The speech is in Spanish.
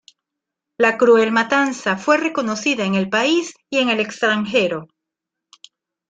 La cruel matanza fue conocida en el país y en el extranjero.